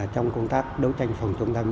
trong công tác đấu tranh phòng chống tham nhũng